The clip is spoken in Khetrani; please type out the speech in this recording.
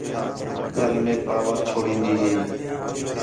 ٻِیال میک پاوال چھوڑین٘دی ہی